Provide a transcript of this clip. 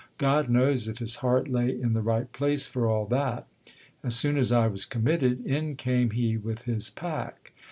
God knows if his heart lay in the right place for all that ! As soon as I was committed, in came he with his pack.